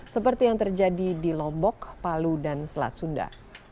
seperti yang terjadi di lombok palu dan selat sunda